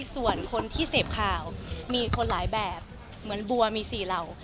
ส่วนคนที่เสพข่าวมีคนหลายแบบเหมือนบัวมี๔เหล่า